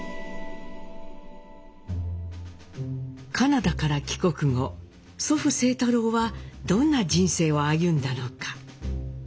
カナダから帰国後祖父清太郎はどんな人生を歩んだのか。